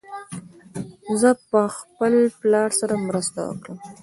زه به خپل پلار سره مرسته وکړم.